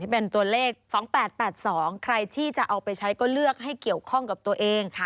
เป็นตัวเลข๒๘๘๒ใครที่จะเอาไปใช้ก็เลือกให้เกี่ยวข้องกับตัวเอง